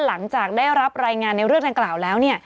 หลังจากได้รับรายงานในเรื่องดังกล่าวแล้วเนี่ย